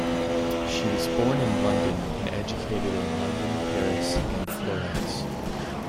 She was born in London and educated in London, Paris, and Florence.